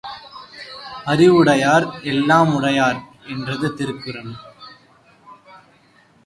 அறிவுடையார் எல்லாம் உடையார் என்றது திருக்குறள்.